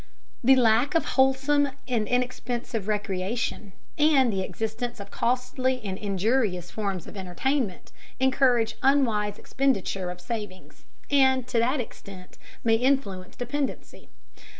The lack of wholesome and inexpensive recreation, and the existence of costly and injurious forms of entertainment, encourage unwise expenditure of savings, and, to that extent, may influence dependency.